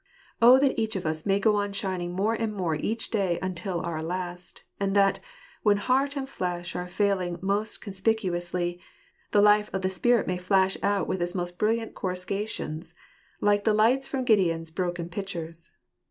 Oh that each of us may go on shining more and more each day until our last, and that, when heart and flesh are failing most conspicuously, the life of the spirit may flash out with its most brilliant coruscations, like the lights from Gideon's broken pitchers.